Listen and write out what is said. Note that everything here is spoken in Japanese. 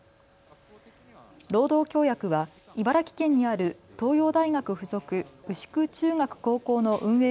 労働協約は茨城県にある東洋大学付属牛久中学・高校の運営